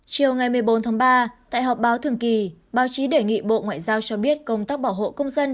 chiều ngày một mươi bốn tháng ba tại họp báo thường kỳ báo chí đề nghị bộ ngoại giao cho biết công tác bảo hộ công dân